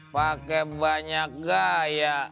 pake banyak gaya